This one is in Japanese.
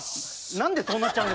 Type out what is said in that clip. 何でそうなっちゃうんですか。